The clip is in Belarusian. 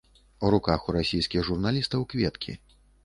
У руках у расійскіх журналістаў кветкі.